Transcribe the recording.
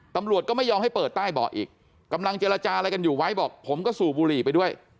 ตำรวจก็ไม่ยอมให้เปิดใต้เบาะอีกกำลังเจรจาอะไรกันอยู่ไว้บอกผมก็สูบบุหรี่ไปด้วย